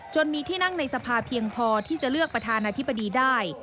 มีที่นั่งในสภาเพียงพอที่จะเลือกประธานาธิบดีได้